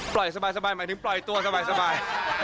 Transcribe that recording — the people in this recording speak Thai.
สบายหมายถึงปล่อยตัวสบาย